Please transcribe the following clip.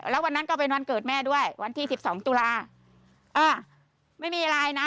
แล้ววันนั้นก็เป็นวันเกิดแม่ด้วยวันที่สิบสองตุลาเออไม่มีอะไรนะ